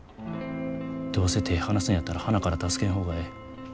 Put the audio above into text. どうせ手ぇ離すんやったらはなから助けん方がええ。